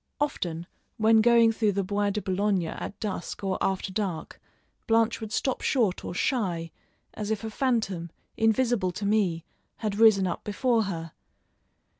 Often, when going through the Bois de Boulogne at dusk or after dark, Blanche would stop short or shy, as if a phantom, invisible to me, had risen up before her.